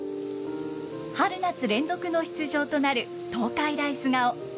春夏連続の出場となる東海大菅生。